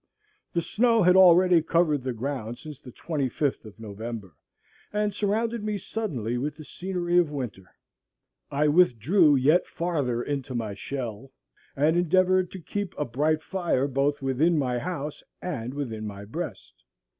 The snow had already covered the ground since the 25th of November, and surrounded me suddenly with the scenery of winter. I withdrew yet farther into my shell, and endeavored to keep a bright fire both within my house and within my breast.